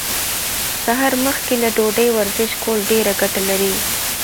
سهار مخکې له ډوډۍ ورزش کول ډيره ګټه لري.